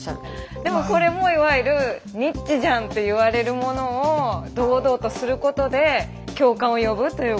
でもこれもいわゆるニッチじゃんと言われるものを堂々とすることで共感を呼ぶということですよね。